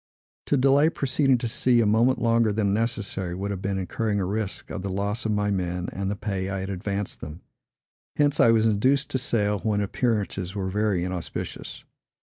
To delay proceeding to sea a moment longer than was necessary, would have been incurring a risk of the loss of my men, and the pay I had advanced them. Hence, I was induced to sail when appearances were very inauspicious.